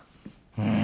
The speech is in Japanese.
うん。